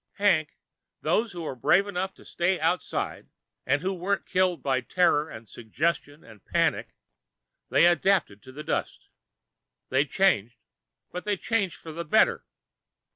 Hank, those who were brave enough to stay outside, and who weren't killed by terror and suggestion and panic they adapted to the dust. They changed, but they changed for the better.